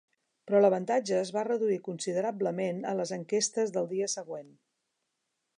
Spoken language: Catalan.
Però l'avantatge es va reduir considerablement a les enquestes del dia següent.